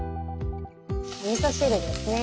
おみそ汁ですね。